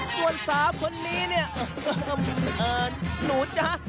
ส่วนสาวคนนี้เนี่ยหนูจ๊ะ